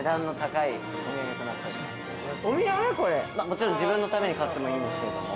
◆もちろん自分のために買ってもいいんですけれども。